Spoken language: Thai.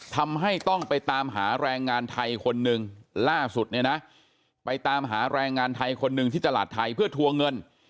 ทำให้ต้องไปตามหาแรงงานไทยคนหนึ่งล่าสุดเนี่ยนะไปตามหาแรงงานไทยคนหนึ่งที่ตลาดไทยเพื่อทวงเงิน